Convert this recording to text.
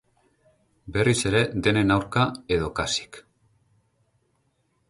Berriz ere denen aurka, edo kasik.